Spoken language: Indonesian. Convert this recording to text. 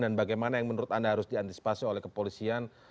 dan bagaimana yang menurut anda harus diantisipasi oleh kepolisian